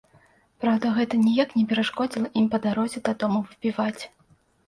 Праўда, гэта ніяк не перашкодзіла ім па дарозе дадому выпіваць.